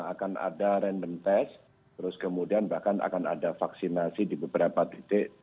akan ada random test terus kemudian bahkan akan ada vaksinasi di beberapa titik